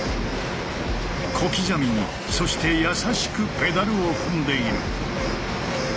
小刻みにそして優しくペダルを踏んでいる。